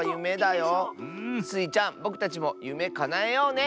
スイちゃんぼくたちもゆめかなえようね！